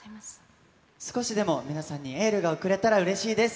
少しでも皆さんにエールが送れたらうれしいです。